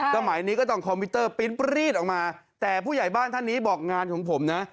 สมัยนี้ก็ต้องคอมพิวเตอร์ปริ้นปรี๊ดออกมาแต่ผู้ใหญ่บ้านท่านนี้บอกงานของผมนะ